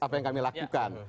apa yang kami lakukan